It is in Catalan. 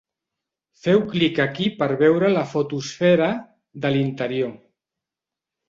Feu clic aquí per veure la fotosfera de l'interior.